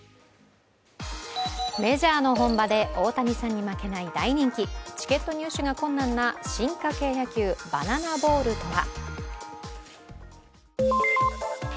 メジャーの本場で大谷さんに負けない大人気チケット、入手が困難な進化形野球、バナナボールとは？